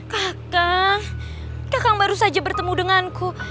kakang kakang baru saja bertemu denganku